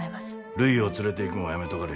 るいを連れていくんはやめとかれ。